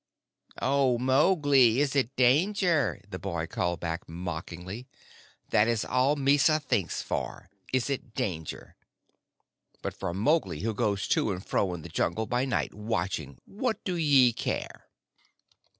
"Oh, Mowgli, is it danger?" the boy called back mockingly. "That is all Mysa thinks for: Is it danger? But for Mowgli, who goes to and fro in the Jungle by night, watching, what do ye care?"